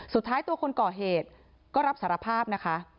สุดท้ายตัวคนก่อเหตุก็รับสารภาพนะคะ